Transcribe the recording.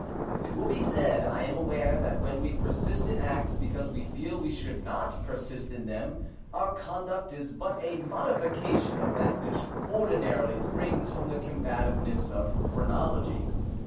It will be said, I am aware, that when we persist in acts because we feel we should not persist in them, our conduct is but a modification of that which ordinarily springs from the combativeness of phrenology.